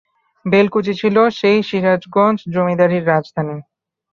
বেলকুচি ছিল সেই সিরাজগঞ্জ জমিদারির রাজধানী।